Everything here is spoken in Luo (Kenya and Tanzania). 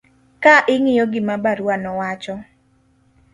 ka ing'iyo gima barua no wacho